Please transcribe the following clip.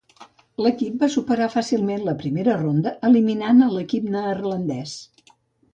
L'equip va superar fàcilment la primera ronda eliminant a l'equip neerlandès.